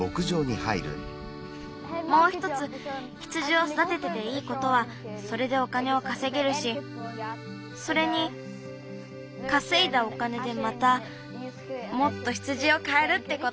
もうひとつ羊をそだててていいことはそれでお金をかせげるしそれにかせいだお金でまたもっと羊をかえるってこと！